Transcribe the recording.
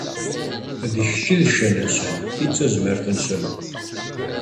D kečč i d ccan-nsen, i d tazmert-nsen.